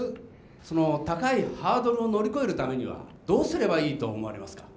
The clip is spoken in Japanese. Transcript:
その高いハードルを乗り越えるためにはどうすればいいと思われますか？